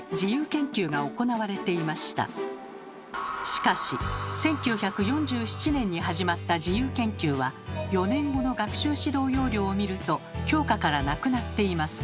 しかし１９４７年に始まった自由研究は４年後の学習指導要領を見ると教科からなくなっています